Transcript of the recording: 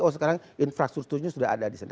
oh sekarang infrastrukturnya sudah ada di sini